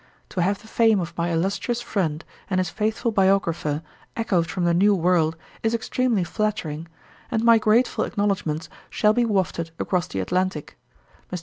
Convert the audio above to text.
To have the fame of my illustrious friend, and his faithful biographer, echoed from the New World is extremely flattering; and my grateful acknowledgements shall be wafted across the Atlantick. Mr.